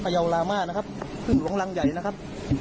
ยาวลามานะครับพึ่งหลวงรังใหญ่นะครับ